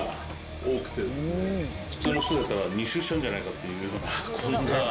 普通の人だったら２周しちゃうんじゃないかっていうようなこんな。